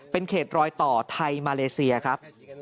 เป็นเขตรอยต่อไทยมาเลเซียครับ